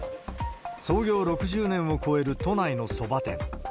創業６０年を超える都内のそば店。